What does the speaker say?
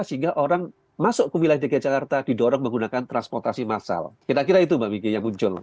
sehingga orang masuk ke wilayah dki jakarta didorong menggunakan transportasi massal kira kira itu mbak miki yang muncul